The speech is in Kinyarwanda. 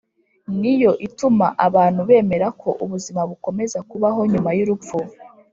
ni yo ituma abantu bemera ko ‘ubuzima bukomeza kubaho nyuma y’urupfu